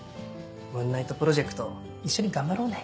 ムーンナイトプロジェクト一緒に頑張ろうね。